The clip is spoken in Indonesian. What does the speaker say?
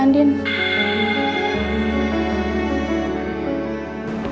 bisa dikumpulkan sama pak surya